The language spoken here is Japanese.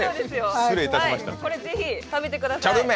これぜひ食べてみてください。